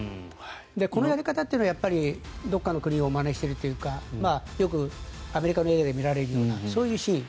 このやり方は、どこかの国をまねしているというかよくアメリカ映画で見られるようなそういうシーン。